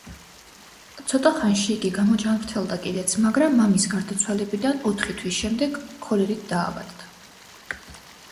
ცოტა ხანში იგი გამოჯანმრთელდა კიდეც, მაგრამ მამის გარდაცვალებიდან ოთხი თვის შემდეგ ქოლერით დაავადდა.